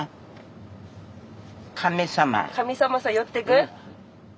神様さ寄ってく？